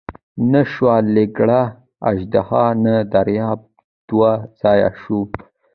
نه شوه لکړه اژدها نه دریاب دوه ځایه شو.